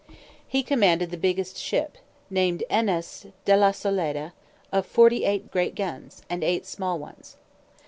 He commanded the biggest ship, named N. S. de la Soleda, of forty eight great guns, and eight small ones.